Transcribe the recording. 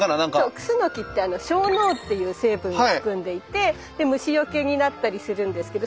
クスノキって樟脳っていう成分を含んでいて虫よけになったりするんですけど